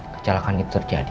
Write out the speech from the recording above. kecelakaan itu terjadi